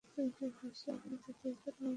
তুমি কি ভেবেছ আমি তাদেরকে তোমার ক্ষতি করতে দেব?